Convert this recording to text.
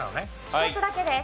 １つだけです。